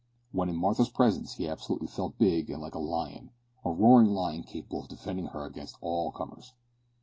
When in Martha's presence he absolutely felt big and like a lion, a roaring lion capable of defending her against all comers!